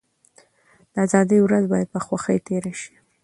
د ازادۍ ورځ بايد په خوښۍ تېره شي.